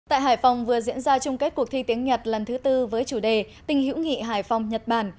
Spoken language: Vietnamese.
tại hải phòng vừa diễn ra chung kết cuộc thi tiếng nhật lần thứ tư với chủ đề tình hữu nghị hải phòng nhật bản